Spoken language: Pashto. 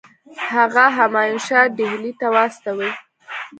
هغه همایون شاه ډهلي ته واستوي.